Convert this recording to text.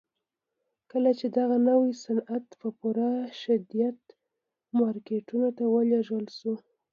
کله چې دغه نوي صنعت په پوره شدت مارکيټونو ته ولېږل شو.